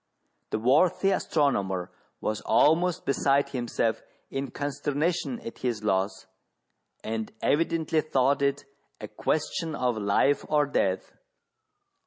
The worthy astronomer was almost beside himself in consternation at his loss, and evidently thought it a question of life or death.